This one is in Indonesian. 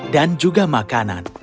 dan juga makanan